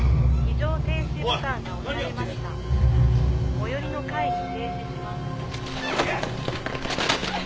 「最寄りの階に停止します」どけ！